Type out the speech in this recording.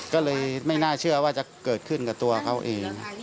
ก็เลยไม่น่าเชื่อว่าจะเกิดขึ้นกับตัวเขาเอง